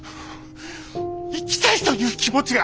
行きたいという気持ちが。